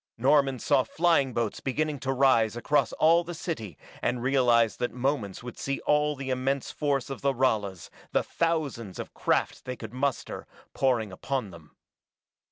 Norman saw flying boats beginning to rise across all the city and realized that moments would see all the immense force of the Ralas, the thousands of craft they could muster, pouring upon them.